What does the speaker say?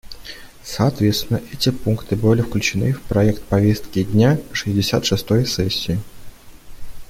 Соответственно, эти пункты были включены в проект повестки дня шестьдесят шестой сессии.